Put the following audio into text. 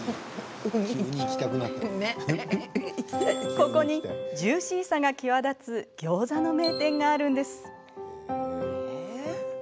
ここにジューシーさが際立つギョーザの名店があるんです。